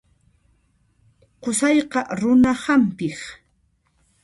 Qusayqa runa hampiq.